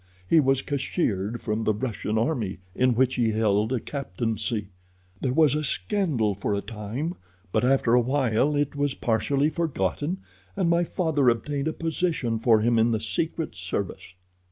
He was cashiered from the Russian army, in which he held a captaincy. There was a scandal for a time, but after a while it was partially forgotten, and my father obtained a position for him in the secret service.